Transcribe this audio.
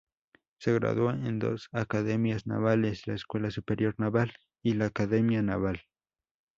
Se graduó en dos academias navales, la Escuela Superior Naval y la Academia Naval.